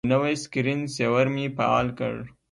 یو نوی سکرین سیور مې فعال کړ.